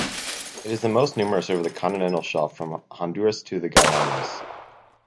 It is most numerous over the continental shelf from Honduras to the Guianas.